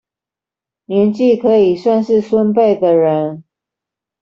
年紀可以算是孫輩的人